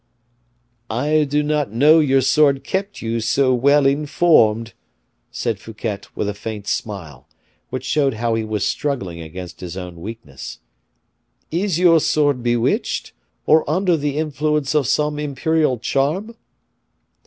"I did not know your sword kept you so well informed," said Fouquet, with a faint smile, which showed how he was struggling against his own weakness. "Is your sword bewitched, or under the influence of some imperial charm?"